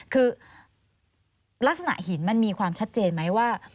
คือลักษณะหินมันมีความชัดเจนไหมว่า